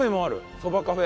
そばカフェ。